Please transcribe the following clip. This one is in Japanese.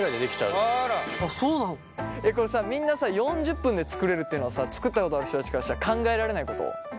これさみんなさ４０分で作れるっていうのはさ作ったことある人たちからしたら考えられないこと？